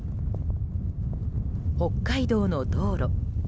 北海道の道路。